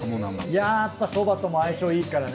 やっぱそばとも相性いいですからね。